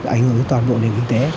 ảnh hưởng đến toàn bộ nền kinh tế